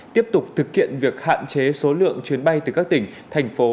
tiếp tục thực hiện việc hạn chế số lượng chuyến bay từ các tỉnh thành phố